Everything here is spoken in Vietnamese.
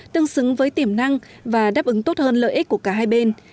tương xứng với tiềm năng và đáp ứng tốt hơn lợi ích của cả hai bên